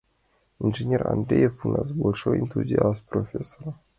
Инженер Андреев у нас большой энтузиаст, профессор.